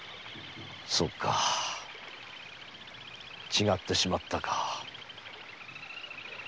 そうか違ってしまったか。